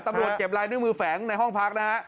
เก็บลายนิ้วมือแฝงในห้องพักนะฮะ